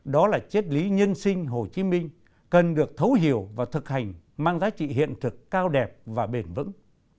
đó là chết lý nhân sinh hồ chí minh cần được thấu hiểu và thực hành mang giá trị hiện thực cao đẹp và bền vững